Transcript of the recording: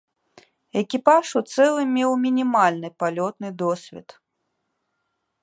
Экіпаж у цэлым меў мінімальны палётны досвед.